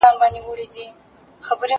زه مخکي ليکلي پاڼي ترتيب کړي وو!؟